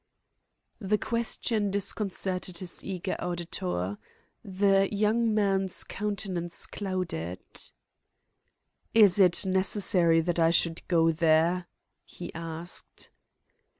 The question disconcerted his eager auditor. The young man's countenance clouded. "Is it necessary that I should go there?" he asked.